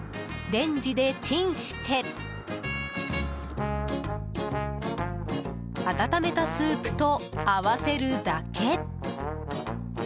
レンジでチンして温めたスープと合わせるだけ。